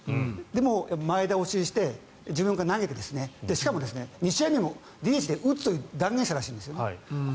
でも前倒しして自分が投げてしかも２試合目もＤＨで打つと断言したらしいんです。